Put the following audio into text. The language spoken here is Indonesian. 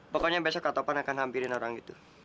pokoknya besok kak topan akan hampirin orang gitu